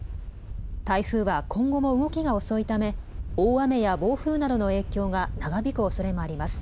台風は今後も動きが遅いため大雨や暴風などの影響が長引くおそれもあります。